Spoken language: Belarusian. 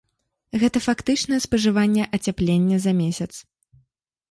Гэта фактычнае спажыванне ацяплення за месяц.